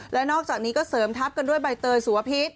และนอกจากนี้ก็เสริมทัพกันด้วยใบเตยสุวพิษ